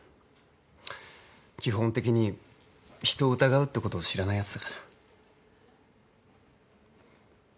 基本的に人を疑うってことを知らないやつだから。